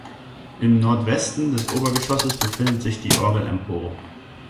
Im Nordwesten des Obergeschosses befindet sich die Orgelempore.